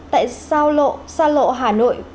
tại sao lộ xa lộ hà nội